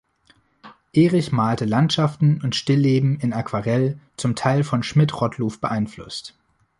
Ehrich malte Landschaften und Stillleben in Aquarell, zum Teil von Schmidt-Rottluf beeinflusst.